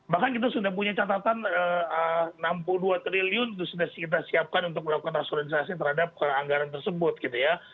bahkan kita sudah punya catatan rp enam puluh dua triliun itu sudah kita siapkan untuk melakukan rasunisasi terhadap anggaran tersebut gitu ya